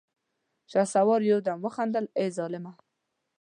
شهسوار يودم وخندل: اه ظالمه!